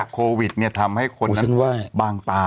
โควิดทำให้คนนั้นบางตา